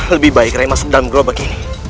lebih baik rai masuk dalam gelobak ini